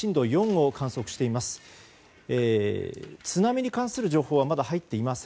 なお、津波に関する情報は入っていません。